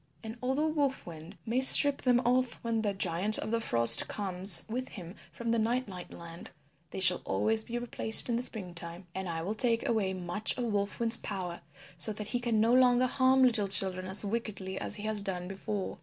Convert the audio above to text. And although Wolf Wind may strip them off when the Giant of the Frost comes with him from the Night Night Land they shall always be replaced in the spring time. And I will take away much of Wolf Wind's power so that he can no longer harm little children as wickedly as he has done before."